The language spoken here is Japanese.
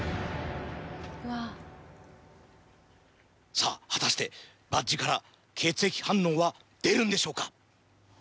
さぁ果たしてバッジから血液反応は出るんでしょうか？